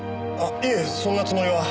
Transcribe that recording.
そんなつもりは。